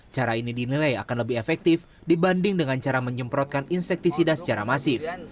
cara ini dinilai akan lebih efektif dibanding dengan cara menyemprotkan insektisida secara masif